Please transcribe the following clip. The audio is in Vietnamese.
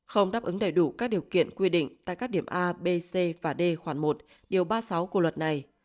không đáp ứng đầy đủ các điều kiện quy định tại các điểm a b c và d khoản một điều ba mươi sáu của luật này